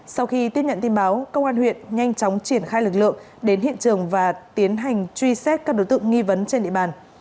sau khi tiếp nhận tin báo công an huyện nhanh chóng triển khai lực lượng đến hiện trường và tiến hành truy xét các đối tượng nghi vấn trên địa bàn